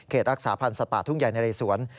รักษาพันธ์สัตว์ป่าทุ่งใหญ่ในเรสวน